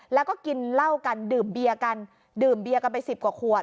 แล้วก็กินเหล้ากันดื่มเบียร์กันดื่มเบียกันไปสิบกว่าขวด